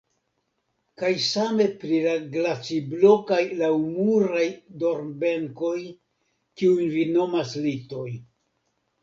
Kaj same pri la glaciblokaj laŭmuraj dormbenkoj, kiujn vi nomas litoj.